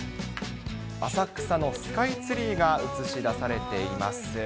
浅草のスカイツリーが映し出されています。